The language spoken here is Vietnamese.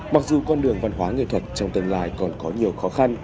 mặc dù con đường văn hóa nghệ thuật trong tương lai còn có nhiều khó khăn